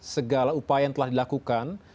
segala upaya yang telah dilakukan